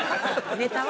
ネタは？